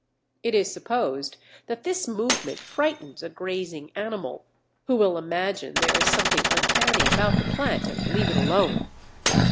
It is supposed that this movement frightens a grazing animal, who will imagine there is something uncanny about the plant and leave it alone.